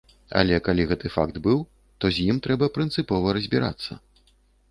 Але калі гэты факт быў, то з ім трэба прынцыпова разбірацца.